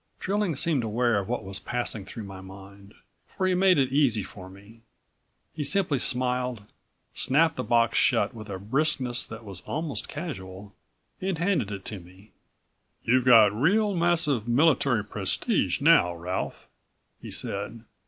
Trilling seemed aware of what was passing through my mind, for he made it easy for me. He simply smiled, snapped the box shut with a briskness that was almost casual, and handed it to me. "You've got real massive military prestige now, Ralph," he said.